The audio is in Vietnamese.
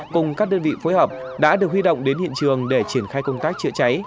cùng các đơn vị phối hợp đã được huy động đến hiện trường để triển khai công tác chữa cháy